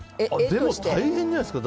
でも、大変じゃないですか？